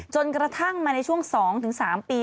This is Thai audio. จนกระทั่งมาในช่วง๒๓ปี